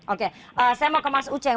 oke saya mau ke mas uceng